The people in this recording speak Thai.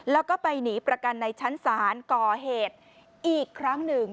แล้วก็ไปหนีประกันในชั้นศาลก่อเหตุอีกครั้งหนึ่ง